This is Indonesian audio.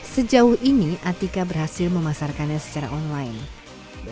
sejauh ini atika berhasil memasarkannya secara online